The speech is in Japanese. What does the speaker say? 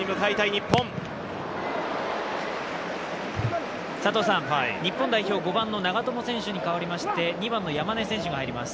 日本代表、５番の長友選手に代わりまして２番の山根選手が入ります。